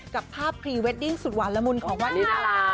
กับภาพพรีเวดดิ้งสุดหวานละมุนของวันนี้ดารา